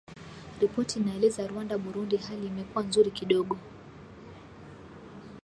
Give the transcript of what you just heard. Ripoti inaeleza Rwanda Burundi hali imekuwa nzuri kidogo